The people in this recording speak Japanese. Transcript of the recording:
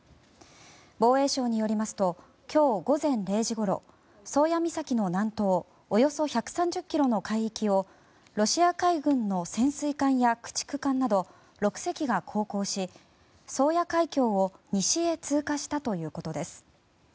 防衛省によりますと今日午前０時ごろ宗谷岬の南東およそ１３０ｋｍの海域をロシア海軍の潜水艦や駆逐艦など６隻が航行し、宗谷海峡を西へ通過したということです。